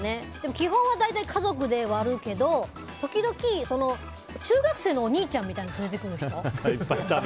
基本は大体家族で割るけど時々、中学生のお兄ちゃんとかを連れてくる人。